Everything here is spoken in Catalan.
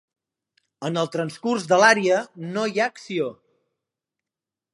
En el transcurs de l'ària no hi ha acció.